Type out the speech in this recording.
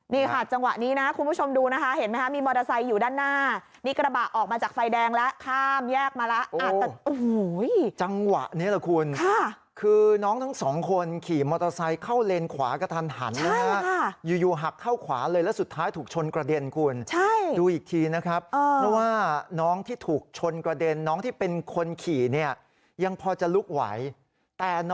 นี่ค่ะจังหวะนี้นะคุณผู้ชมดูนะคะเห็นไหมคะมีมอเตอร์ไซค์อยู่ด้านหน้านี่กระบะออกมาจากไฟแดงแล้วข้ามแยกมาแล้วอาจจะโอ้โหจังหวะนี้แหละคุณคือน้องทั้งสองคนขี่มอเตอร์ไซค์เข้าเลนขวากระทันหันนะฮะอยู่อยู่หักเข้าขวาเลยแล้วสุดท้ายถูกชนกระเด็นคุณใช่ดูอีกทีนะครับเพราะว่าน้องที่ถูกชนกระเด็นน้องที่เป็นคนขี่เนี่ยยังพอจะลุกไหวแต่น